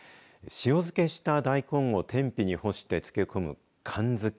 塩漬けした大根を天日に干して漬け込む寒漬